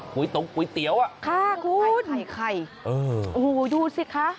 กุ๋ยตงกุ๋ยเตี๋ยวไข่ไข่ดูสิคะ